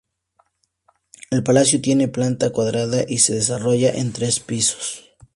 El palacio tiene planta cuadrada y se desarrolla en tres pisos.